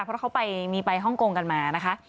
เพราะเขามีไปฮ่องกงกันมานะคะ